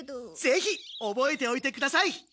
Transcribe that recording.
ぜひおぼえておいてください！